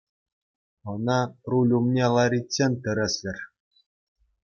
Ӑна руль умне лариччен тӗрӗслӗр.